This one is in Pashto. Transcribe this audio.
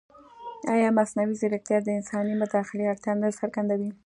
ایا مصنوعي ځیرکتیا د انساني مداخلې اړتیا نه څرګندوي؟